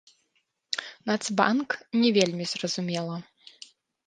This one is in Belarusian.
Нацбанк, не вельмі зразумела.